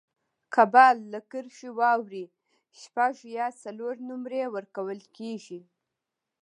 که بال له کرښي واوړي، شپږ یا څلور نومرې ورکول کیږي.